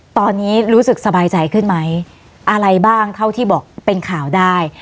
ตอนนี้รู้สึกสบายใจขึ้นไหมอะไรบ้างเท่าที่บอกเป็นข่าวได้